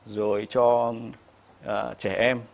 rồi cho trẻ em